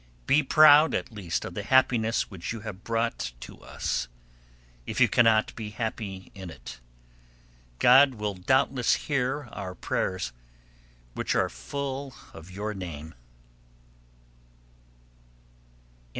Be proud at least of the happiness which you have brought to us, if you cannot be happy in it. God will doubtless hear our prayers, which are full of your name.